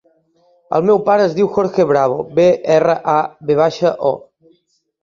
El meu pare es diu Jorge Bravo: be, erra, a, ve baixa, o.